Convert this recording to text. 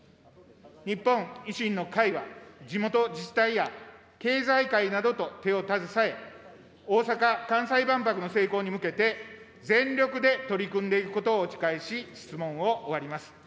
日本維新の会は、地元自治体や経済界などと手を携え、大阪・関西万博の成功に向けて、全力で取り組んでいくことをお誓いし、質問を終わります。